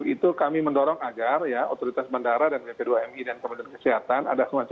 itu kami mendorong agar otoritas bandara dan bp dua mi dan komendor kesehatan